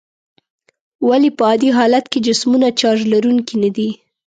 ولې په عادي حالت کې جسمونه چارج لرونکي ندي؟